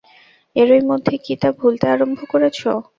এরই মধ্যে কি তা ভুলতে আরম্ভ করেছ।